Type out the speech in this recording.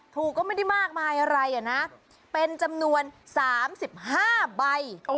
ถูกก็ไม่ได้มากมายอะไรนะเป็นจำนวน๓๕ใบ